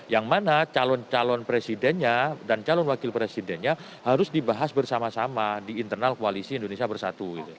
yang mana calon calon presidennya dan calon wakil presidennya harus dibahas bersama sama di internal koalisi indonesia bersatu